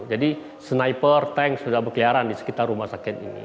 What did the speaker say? jadi sniper tank sudah berkeliaran di sekitar rumah sakit ini